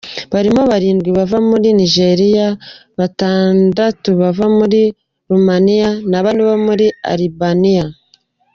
Barimo barindwi bava muri Nigeria, batandatu bava muri Roumania na bane bo muri Albania.